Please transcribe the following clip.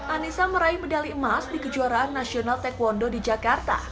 anissa meraih medali emas di kejuaraan nasional taekwondo di jakarta